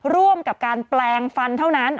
ร่วมกับการแปลงฟันเท่านั้น